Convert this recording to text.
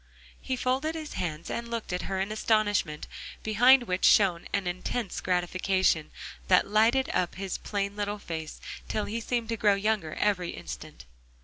He folded his hands and looked at her in astonishment, behind which shone an intense gratification, that lighted up his plain little face till he seemed to grow younger every instant.